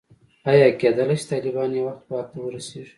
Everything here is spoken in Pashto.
ایا کېدلای شي طالبان یو وخت واک ته ورسېږي.